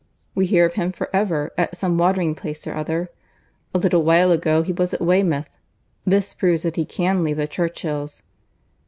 We hear of him for ever at some watering place or other. A little while ago, he was at Weymouth. This proves that he can leave the Churchills."